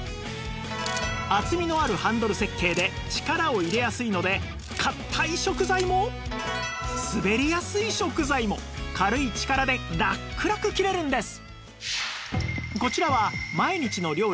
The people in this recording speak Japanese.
厚みのあるハンドル設計で力を入れやすいので硬い食材も滑りやすい食材も軽い力でラックラク切れるんです